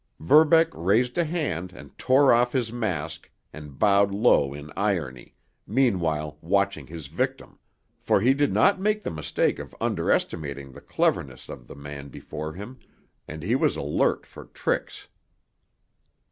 Verbeck raised a hand and tore off his mask, and bowed low in irony, meanwhile watching his victim, for he did not make the mistake of underestimating the cleverness of the man before him, and he was alert for tricks.